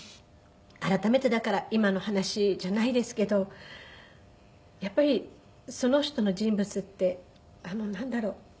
改めてだから今の話じゃないですけどやっぱりその人の人物ってなんだろう。